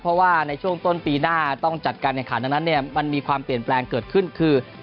เพราะว่าในช่วงต้นปีหน้าต้องจัดการแข่งขันดังนั้นเนี่ยมันมีความเปลี่ยนแปลงเกิดขึ้นคือ